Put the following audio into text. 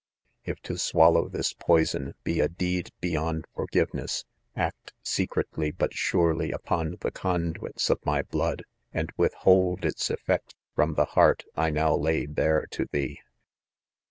If to swallow this poison be a 'deed beyond forgiveness, act secretly but surely upon the conduits^ of my blood? and withold its effect from the heart. I how lay bare to thee.